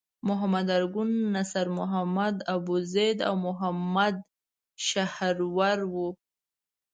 محمد ارګون، نصر حامد ابوزید او محمد شحرور وو.